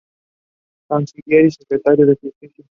Canciller y secretario de Justicia.